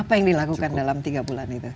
apa yang dilakukan dalam tiga bulan itu